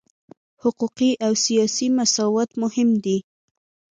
حقوقي او سیاسي مساوات مهم دي.